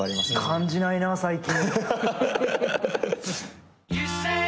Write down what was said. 感じないな最近。